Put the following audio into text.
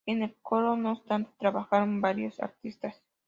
En el coro, no obstante, trabajaron varios artistas.